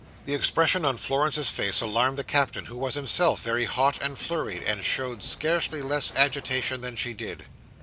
The expression on Florence's face alarmed the Captain, who was himself very hot and flurried, and showed scarcely less agitation than she did.